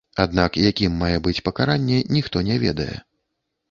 Аднак якім мае быць пакаранне, ніхто не ведае.